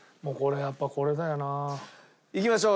やっぱこれだよな。いきましょう。